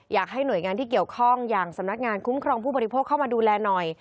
อยากให้หน่วยงานที่เกี่ยวข้องอย่างสำนักงานคุ้มครองผู้บริโภคเข้ามาดูแลหน่อย